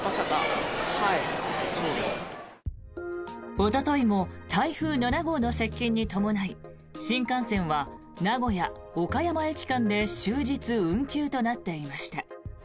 おとといも台風７号の接近に伴い新幹線は名古屋岡山駅間で終日運休となっていました。